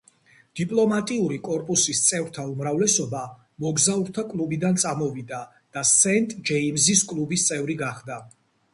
დიპლომატიური კორპუსის წევრთა უმრავლესობა მოგზაურთა კლუბიდან წამოვიდა და სენტ-ჯეიმზის კლუბის წევრი გახდა.